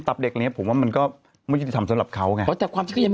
ตับเด็กเนี้ยผมว่ามันก็ไม่คิดจะทำสำหรับเขาไงเพราะแต่ความที่ก็ยังไม่